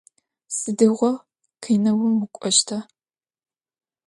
Сыдигъо кинэум укӏощта?